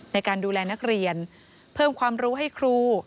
ในการดูแลนักเรียนเพิ่มความรู้ให้ครู